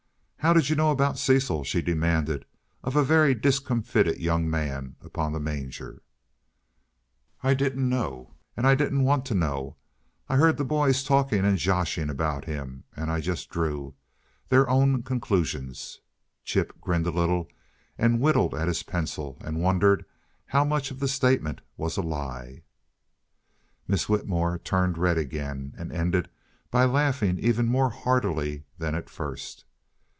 "How did you know about Cecil?" she demanded of a very discomfited young man upon the manger. "I didn't know and I didn't WANT to know. I heard the boys talking and joshing about him, and I just drew their own conclusions." Chip grinned a little and whittled at his pencil, and wondered how much of the statement was a lie. Miss Whitmore tamed red again, and ended by laughing even more heartily than at first.